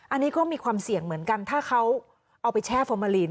อันนี้ก็มีความเสี่ยงเหมือนกันถ้าเขาเอาไปแช่ฟอร์มาลีน